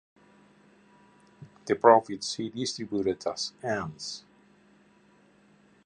The profits he distributed as alms.